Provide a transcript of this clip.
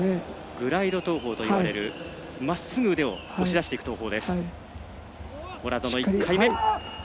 グライド投法といわれるまっすぐ腕を押し出していく投法。